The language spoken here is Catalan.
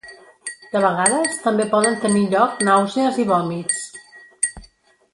De vegades també poden tenir lloc nàusees i vòmits.